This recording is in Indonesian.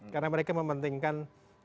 karena mereka mementingkan